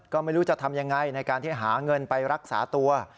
ก็ไม่รู้จะทำยังไงในการที่หาเงินไปรักษาตัว